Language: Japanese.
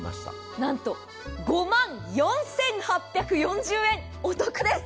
なんと５万４８４０円お得です。